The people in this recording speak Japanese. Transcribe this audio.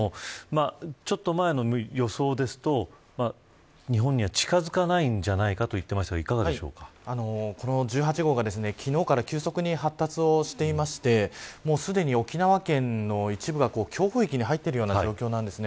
ちょっと前の予想だと日本には近づかないんじゃないかと言っていましたが１８号が昨日から急速に発達していましてすでに沖縄県の一部が強風域に入っている状況です。